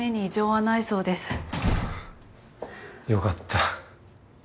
よかった。